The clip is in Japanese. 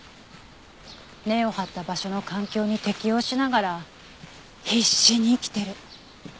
根を張った場所の環境に適応しながら必死に生きてる。